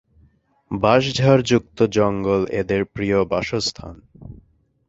বাঁশঝাড় যুক্ত জঙ্গল এদের প্রিয় বাসস্থান।